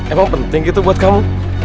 emang penting gitu buat kamu